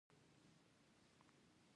د نهروان کانال څلور سوه فوټه سور درلود.